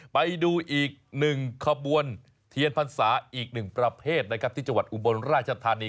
ไปดูอีกหนึ่งขบวนเทียนพรรษาอีกหนึ่งประเภทนะครับที่จังหวัดอุบลราชธานี